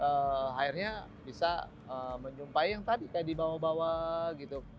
akhirnya bisa menyumpai yang tadi kayak di bawah bawah gitu